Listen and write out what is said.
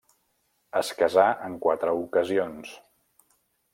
Es casà en quatre ocasions.